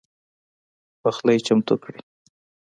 پخلی چمتو کړئ